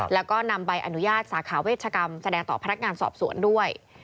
แล้วก็นำใบอนุญาตสาขาเวชกรรมแสดงต่อพนักงานสอบสวนด้วย